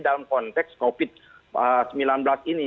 dalam konteks covid sembilan belas ini